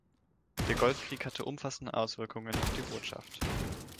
Der Golfkrieg hatte umfassende Auswirkungen auf die Botschaft.